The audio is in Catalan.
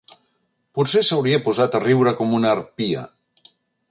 Potser s'hauria posat a riure com una harpia.